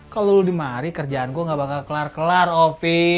kalo lu dimari kerjaan gue gak bakal kelar kelar ovi